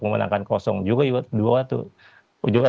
memenangkan kosong juga juga